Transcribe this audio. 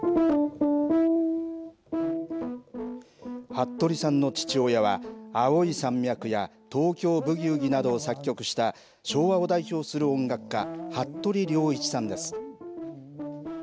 服部さんの父親は、青い山脈や東京ブギウギなどを作曲した、昭和を代表する音楽家、服部良一さんです。